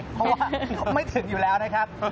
เพราะว่าเขาไม่ถึงอยู่แล้วนะครับ